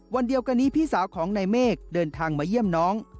วันเดียวกันนี้พี่สาวของนายเมฆเดินทางมาเยี่ยมน้อง